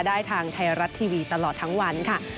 ได้ทางไทยรัฐทีวีตลอดทั้งวันค่ะ